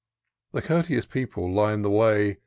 The courteous people line the way.